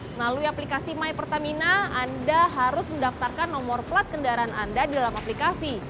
melalui aplikasi my pertamina anda harus mendaftarkan nomor plat kendaraan anda di dalam aplikasi